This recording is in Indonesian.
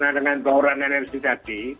nah kalau kita menggunakan energi tadi